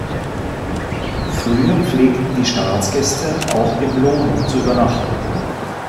Früher pflegten die Staatsgäste auch im Lohn zu übernachten.